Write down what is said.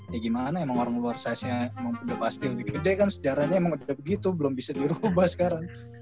ya gimana emang orang luar size nya udah pasti lebih gede kan sejarahnya emang udah begitu belum bisa dirubah sekarang